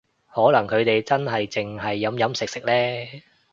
可能佢哋真係淨係飲飲食食呢